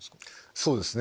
そうですね。